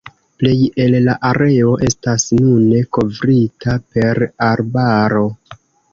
Plej el la areo estas nune kovrita per arbaro.